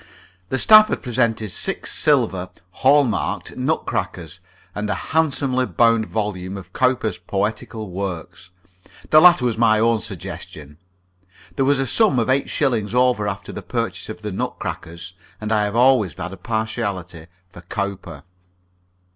The staff had presented six silver (hallmarked) nutcrackers, and a handsomely bound volume of Cowper's Poetical Works. The latter was my own suggestion; there was a sum of eight shillings over after the purchase of the nutcrackers, and I have always had a partiality for Cowper.